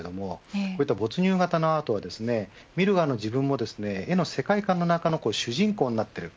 こういった没入型のアートは見る側の自分も絵の世界観の中の主人公になっている。